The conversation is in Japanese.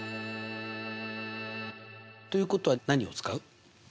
ということは何を使う？